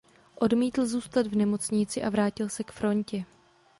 Odmítl zůstat v nemocnici a vrátil se k frontě.